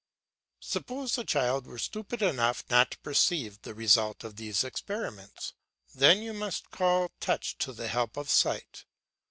Suppose the child were stupid enough not to perceive the result of these experiments, then you must call touch to the help of sight.